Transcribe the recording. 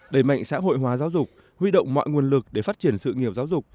đẩy mạnh xã hội hóa giáo dục huy động mọi nguồn lực để phát triển sự nghiệp giáo dục